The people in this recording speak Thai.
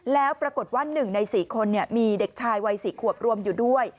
แล้วปรากฏว่า๑ใน๔คนมีเด็กชายวัย๔ขวบรวมอยู่ด้วย